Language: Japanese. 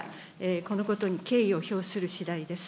このことに敬意を表する次第です。